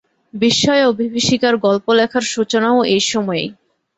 বিস্ময় ও বিভীষিকার গল্প লেখার সূচনাও এই সময়েই।